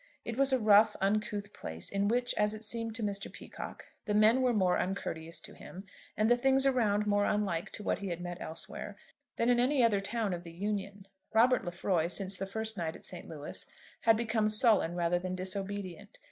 It was a rough, uncouth place, in which, as it seemed to Mr. Peacocke, the men were more uncourteous to him, and the things around more unlike to what he had met elsewhere, than in any other town of the Union. Robert Lefroy, since the first night at St. Louis, had become sullen rather than disobedient.